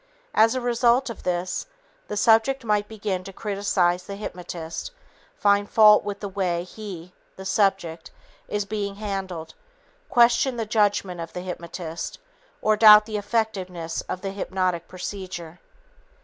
As a result of this, the subject might begin to criticize the hypnotist, find fault with the way he (the subject) is being handled, question the judgment of the hypnotist, or doubt the effectiveness of the hypnotic procedure.